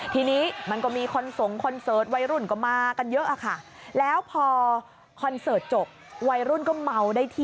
ทีนี้มันก็มีคนสงคอนเซิร์ตวัยรุ่นก็มากันเยอะค่ะ